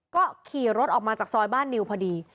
ก็ขี่รถออกมาจากซอยบ้านนิวพอดี